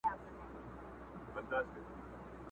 زما په لستوڼي کي ښامار لوی که.!